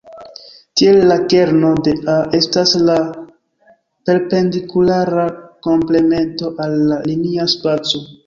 Tiel la kerno de "A" estas la perpendikulara komplemento al la linia spaco.